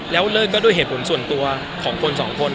แล้วเลิกก็ด้วยเหตุผลส่วนตัวของคนสองคน